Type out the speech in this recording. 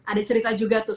ada cerita juga tuh